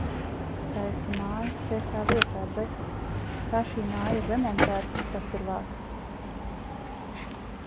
Skaista māja, skaistā vietā. Bet... Kā šī māja ir remontēta, tas ir vāks.